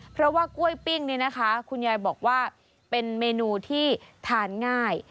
เพราะว่ากล้วยปิ้งเนี่ยนะคะคุณยายบอกว่าเป็นเมนูที่ทานง่าย